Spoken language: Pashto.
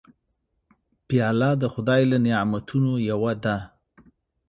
پیاله د خدای له نعمتونو یوه ده.